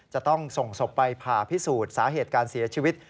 จะต้องส่งศพไปผ่าพิสูจน์สาเหตุการเสียชีวิต